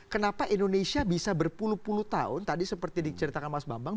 kenapa indonesia bisa berpuluh puluh tahun tadi seperti diceritakan mas bambang